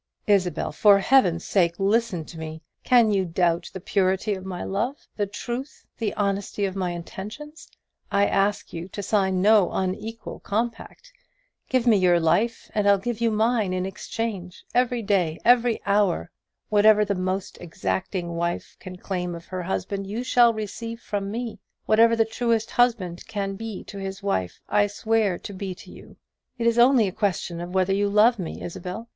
"Isabel, for Heaven's sake, listen to me! Can you doubt the purity of my love the truth, the honesty of my intentions? I ask you to sign no unequal compact. Give me your life, and I'll give you mine in exchange every day every hour. Whatever the most exacting wife can claim of her husband, you shall receive from me. Whatever the truest husband can be to his wife, I swear to be to you. It is only a question of whether you love me, Isabel.